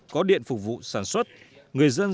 có điện phục vụ sản xuất người dân